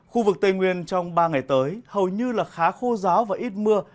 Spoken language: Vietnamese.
khu vực tây nguyên trong ba ngày tới hầu như là khá khô giáo và ít mưa